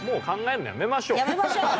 やめましょう。